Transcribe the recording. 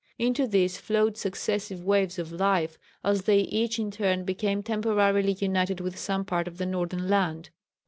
Into these flowed successive waves of life as they each in turn became temporarily united with some part of the Northern land."